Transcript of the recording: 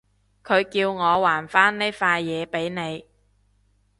佢叫我還返呢塊嘢畀你